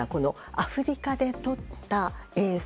アフリカで撮った映像